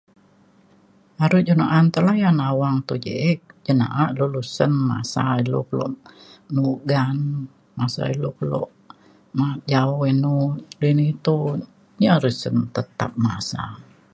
are jo na’an te layan awang te je’ek cin na’a dulu sen masa ilu kelo mugang masa ilu kelo majau inu di ni to. nyi ari sen tetap masa.